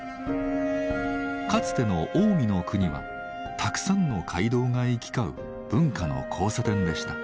かつての近江の国はたくさんの街道が行き交う文化の交差点でした。